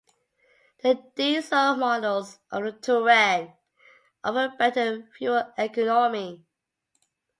The diesel models of the Touran offer better fuel economy.